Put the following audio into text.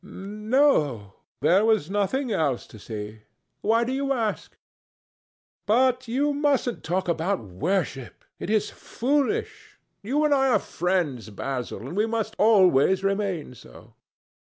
"No; there was nothing else to see. Why do you ask? But you mustn't talk about worship. It is foolish. You and I are friends, Basil, and we must always remain so."